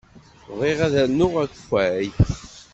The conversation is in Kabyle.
Bɣiɣ ad rnuɣ akeffay.